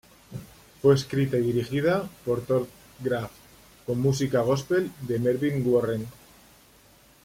Fue escrita y dirigida por Todd Graff, con la música góspel de Mervyn Warren.